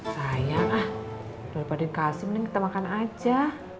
sayang ah udah lipatin kasih mending kita makan aja